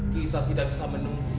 kita tidak bisa menunggu